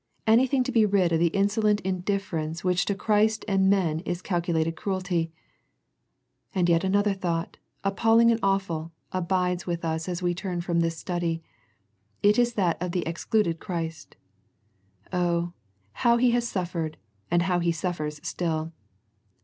Anything to be rid of the insolent indifference which to Christ and men is cal culated cruelty. And yet another thought, appalling and awful, abides with us as we turn from this study. It is that of the excluded Christ. Oh, how He has suffered, and how He suffers still.